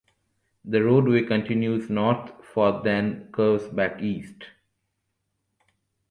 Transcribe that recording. The roadway continues north for then curves back east.